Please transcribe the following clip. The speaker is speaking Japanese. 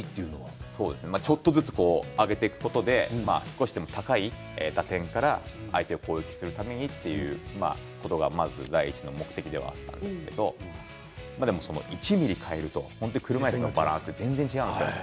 ちょっとずつ上げていくことで少しでも高い打点から相手を攻撃するためにということがまず第１目的ではあったんですけど１ｍｍ変えると車いすのバランスは全然違うんです。